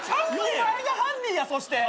お前が犯人やそして。